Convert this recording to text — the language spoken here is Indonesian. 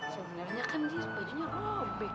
sebenernya kan bajunya robek